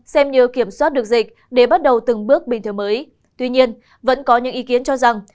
xem như kiểm soát được dịch để bắt đầu từng bước bình thường mới tuy nhiên vẫn có những ý kiến cho rằng